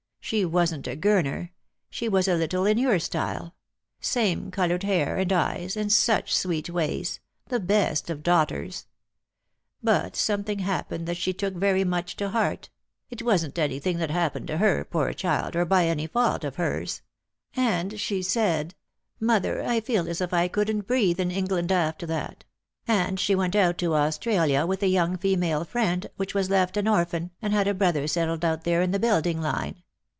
She wasn't a Gurner. She was a little in your style ; same coloured hair and eyes, and such sweet ways, the best of daughters. But something happened that she took very much to heart — it wasn't anything that happened to her, poor child, or by any fault of hers ; and she said, ' Mother, I feel as if I couldn't breathe in England after that ;' and she went out to Australia with a young female friend which was left an orphan, and had a brother settled out there in the building line.